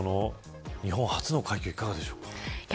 日本初の快挙いかがでしょうか。